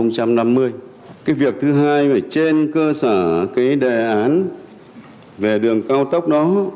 cái việc thứ hai mà trên cơ sở cái đề án về đường cao tốc đó